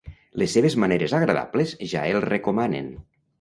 Les seves maneres agradables ja el recomanen.